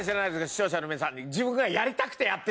視聴者の皆さん。